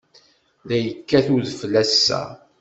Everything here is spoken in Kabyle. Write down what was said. La yekkat udfel ass-a.